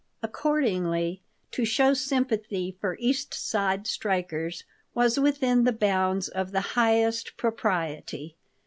Accordingly, to show sympathy for East Side strikers was within the bounds of the highest propriety.